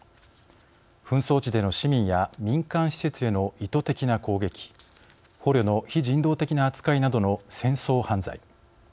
紛争地での市民や民間施設への意図的な攻撃捕虜の非人道的な扱いなどの戦争犯罪。